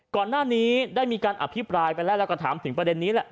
ก่อนหน้านี้ได้มีการอภิปรายไปแล้วแล้วก็ถามถึงประเด็นนี้แหละ